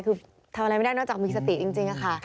คือทำอะไรไม่ได้นอกจากมีสติจริงค่ะ